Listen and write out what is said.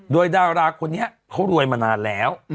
โดยดาราคนนี้เขารวยมานานแล้ว